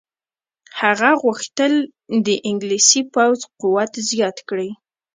هغه غوښتل د انګلیسي پوځ قوت زیات کړي.